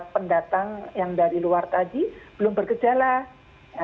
pendatang yang dari luar tadi belum berkejalan